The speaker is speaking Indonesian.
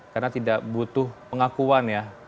karena tidak butuh pengakuan ya